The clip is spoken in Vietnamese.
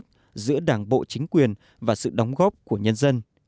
kết quả của sự trung sức giữa đảng bộ chính quyền và sự đóng góp của nhân dân